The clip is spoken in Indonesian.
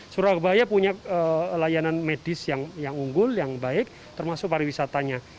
surabaya punya layanan medis yang unggul yang baik termasuk pariwisatanya